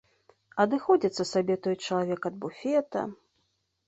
Адыходзіцца сабе той чалавек ад буфета.